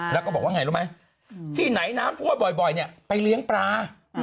แล้วก็บอกว่าไงรู้ไหมที่ไหนน้ำท่วมบ่อยเนี่ยไปเลี้ยงปลา